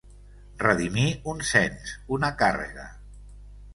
Redimir un cens, una càrrega.